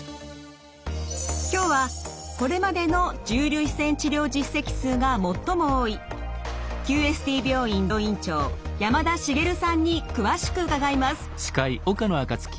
今日はこれまでの重粒子線治療実績数が最も多いＱＳＴ病院病院長山田滋さんに詳しく伺います。